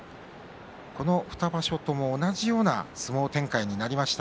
この２場所とも同じような相撲展開になりました。